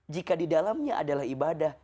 jika di dalamnya adalah ibadah